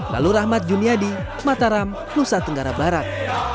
lalu rahmat juniadi mataram nusa tenggara barat